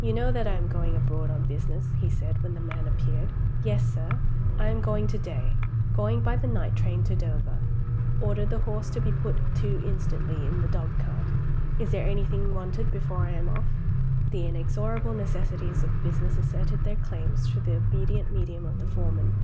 "You know that I am going abroad on business?" he said, when the man appeared. "Yes, sir." "I am going to day going by the night train to Dover. Order the horse to be put to instantly in the dogcart. Is there anything wanted before I am off?" The inexorable necessities of business asserted their claims through the obedient medium of the foreman.